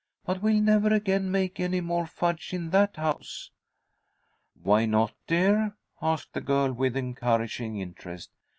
"But we'll never again make any more fudge in that house." "Why not, dear?" asked the girl, with encouraging interest.